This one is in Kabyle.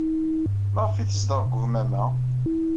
Maɣef ay tezdeɣ deg ugmam-a?